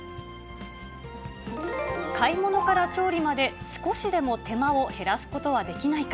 買い物から調理まで、少しでも手間を減らすことはできないか。